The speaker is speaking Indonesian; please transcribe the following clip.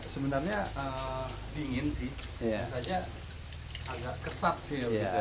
sebenarnya dingin sih biasanya agak kesat sih